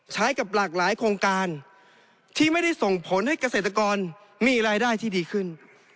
ใช้กับหลากหลายโครงการที่ไม่ได้ส่งผลให้เกษตรกรมีรายได้ที่ดีขึ้น